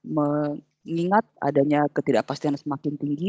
mengingat adanya ketidakpastian yang semakin tinggi